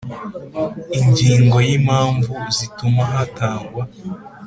Ingingo ya impamvu zituma hatangwa